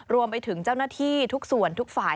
รวมไปถึงเจ้าหน้าที่ทุกส่วนทุกฝ่าย